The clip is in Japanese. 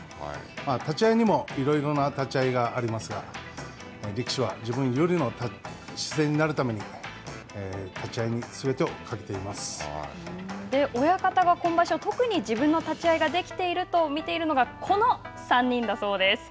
立ち合いにもいろいろな立ち合いがありますが、力士は自分有利の姿勢になるために立ち合いにすべてをかけていま親方が今場所、特に自分の立ち合いができていると見ているのが、この３人だそうです。